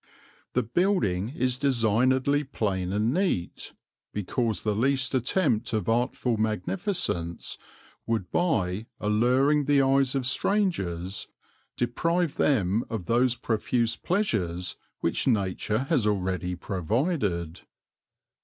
"The Building is designedly plain and neat, because the least attempt of artful Magnificence would by alluring the Eyes of Strangers, deprive them of those profuse Pleasures which Nature has already provided.